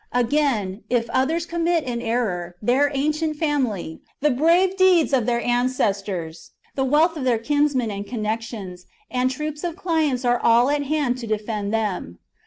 Again, if others commit an error, their ancient family, the brave deeds of their ancestors, the wealth of their kinsmen and connections, and troops of clients are all at hand to defend them.